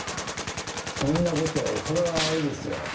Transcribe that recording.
そんなことをそれはあれですよ